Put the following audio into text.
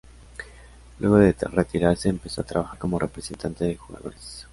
Luego de retirarse empezó a trabajar como representante de jugadores.